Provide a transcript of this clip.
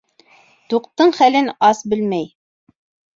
Туҡтың хәлен ас белмәй.